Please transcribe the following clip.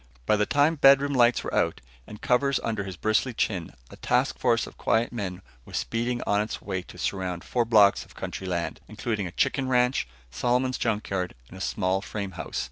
By the time bedroom lights were out and covers under his bristly chin, a task force of quiet men was speeding on its way to surround four blocks of country land; including a chicken ranch, Solomon's junk yard and a small frame house.